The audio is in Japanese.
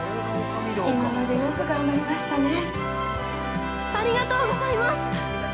今までよく頑張りましたね。